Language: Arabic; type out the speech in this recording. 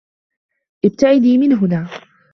ابتعدي من هنا.